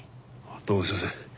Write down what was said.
どうもすいません。